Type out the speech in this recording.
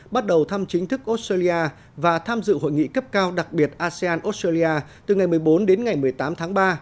bắt đầu thăm chính thức australia và tham dự hội nghị cấp cao đặc biệt asean australia từ ngày một mươi bốn đến ngày một mươi tám tháng ba